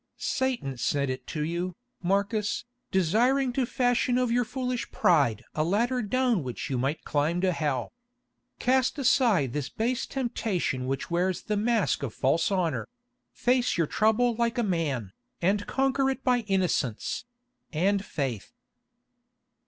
"Satan sent it to you, Marcus, desiring to fashion of your foolish pride a ladder down which you might climb to hell. Cast aside this base temptation which wears the mask of false honour; face your trouble like a man, and conquer it by innocence—and faith."